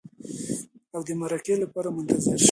او د مرکې لپاره منتظر شئ.